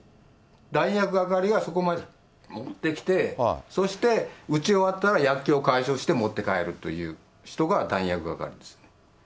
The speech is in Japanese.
弾薬係がそこまで持ってきて、そして、撃ち終わったら、薬きょうを回収して持って帰るという人が弾薬係です。